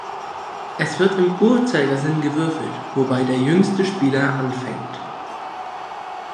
Es wird im Uhrzeigersinn gewürfelt, wobei der jüngste Spieler anfängt.